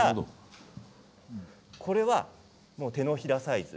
これは手のひらサイズ。